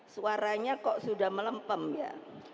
suaranya kok sudah melempem ya